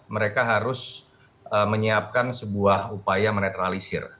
mereka harus menyiapkan sebuah upaya menetralisir